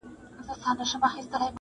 د هغه په زړه کي بل د میني اور وو،